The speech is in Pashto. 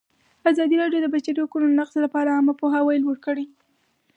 ازادي راډیو د د بشري حقونو نقض لپاره عامه پوهاوي لوړ کړی.